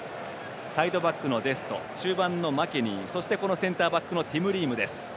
サイドバックのデスト中盤のマケニーそして、センターバックのティム・リームです。